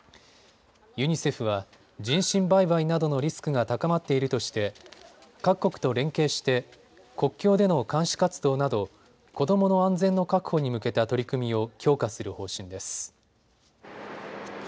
ユニセフは人身売買などのリスクが高まっているとして各国と連携して国境での監視活動など子どもの安全の確保に向けた取り組みを強化する方針です。